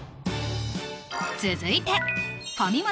続いてファミマ